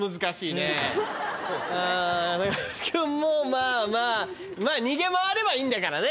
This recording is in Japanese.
まあまあまあ逃げ回ればいいんだからね。